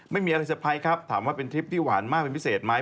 ไม่มีอะไรไซพไนครับถามว่าเป็นทริปที่หวานมากมิเศษไหม